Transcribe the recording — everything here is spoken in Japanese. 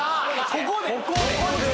ここで？